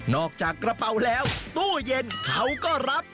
จากกระเป๋าแล้วตู้เย็นเขาก็รับ